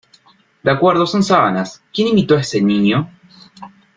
De acuerdo, son sábanas. ¿ quién invitó a ese niño?